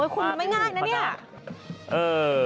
คุณได้ง่ายนะนี่